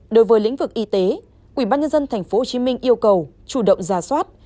đối với lĩnh vực y tế quỹ ban nhân dân tp hcm yêu cầu chủ động giả soát